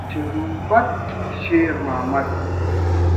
مایعات د فشار انتقال کوي.